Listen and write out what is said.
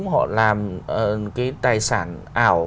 họ làm cái tài sản ảo